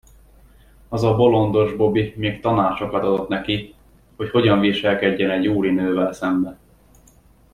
Az a bolondos Bobby még tanácsokat adott neki, hogy hogyan viselkedjen egy úrinővel szemben.